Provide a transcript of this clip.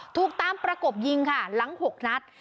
ถูกตามประกบยิงค่ะหลัง๖นัด